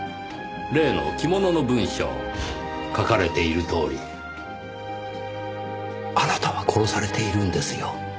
例の着物の文章書かれているとおりあなたは殺されているんですよ。